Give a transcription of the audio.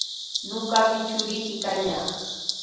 Ñuqami churiyki kallaa.